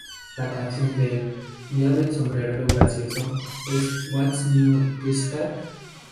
La canción del "Día del sombrero gracioso" es "What's New Pussycat?